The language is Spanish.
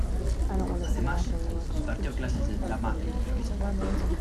Además, impartió clases de drama e improvisación.